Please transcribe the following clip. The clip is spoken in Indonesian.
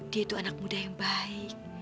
dia itu anak muda yang baik